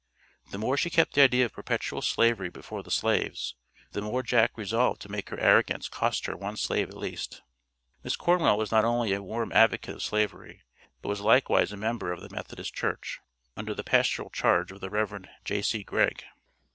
The more she kept the idea of perpetual Slavery before the slaves, the more Jack resolved to make her arrogance cost her one slave at least. Miss Cornwell was not only a warm advocate of Slavery, but was likewise a member of the Methodist church, under the pastoral charge of the Rev. J.C. Gregg.